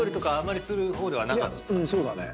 そうだね。